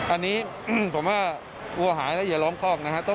อันนี้ผมว่าวัวหายแล้วอย่าร้องคอกนะครับ